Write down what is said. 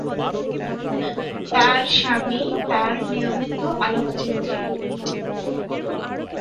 তার স্বামী তার নিয়মিত আলোকচিত্রী।